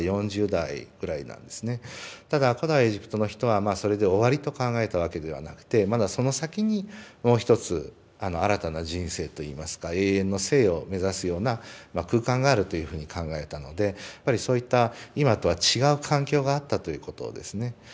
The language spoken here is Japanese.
ただ古代エジプトの人はまあそれで終わりと考えたわけではなくてまだその先にもう一つあの新たな人生といいますか永遠の生を目指すような空間があるというふうに考えたのでやっぱりそういった今とは違う環境があったということをですね